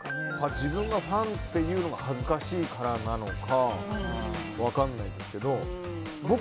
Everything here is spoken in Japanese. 自分がファンって言うのが恥ずかしいからなのか分からないんですけど。